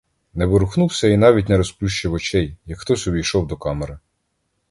Не ворухнувся і навіть не розплющив очей, як хтось увійшов до камери.